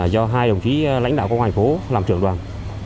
do hai đồng chí lãnh đạo của ngoài phố làm trưởng đoàn